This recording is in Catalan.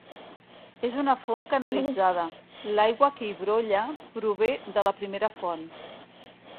És una font canalitzada; l'aigua que hi brolla prové de la primera font.